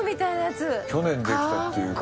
去年できたっていうから。